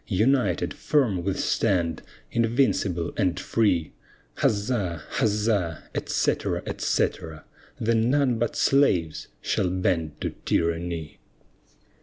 United, firm we stand, invincible and free, Huzza! huzza! etc., etc. Then none but slaves shall bend to tyranny.